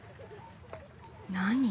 何？